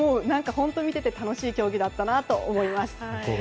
本当に見ていて楽しい競技だったなと思います。